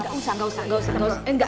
gak usah gak usah